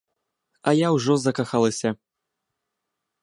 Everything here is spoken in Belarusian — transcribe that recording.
А я ўжо закахалася.